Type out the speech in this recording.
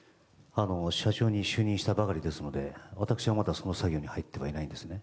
社長に就任したばかりですので私はまだその作業には入ってはいないんですね。